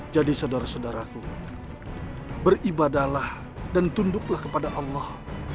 jadi saudara saudaraku beribadahlah dan tunduklah kepada allah